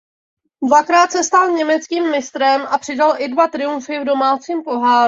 Dvakrát se stal německým mistrem a přidal i dva triumfy v domácím poháru.